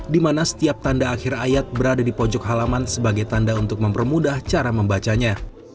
di mana setiap tanda akhir ayat berada di pojok halaman sebagai tanda untuk mempermudah cara membacanya